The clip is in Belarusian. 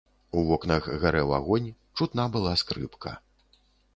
У вокнах гарэў агонь, чутна была скрыпка.